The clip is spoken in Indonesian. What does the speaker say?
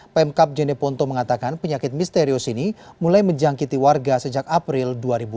pemkap jeneponto mengatakan penyakit misterius ini mulai menjangkiti warga sejak april dua ribu dua puluh